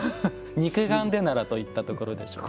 肉眼でならといったところでしょうか。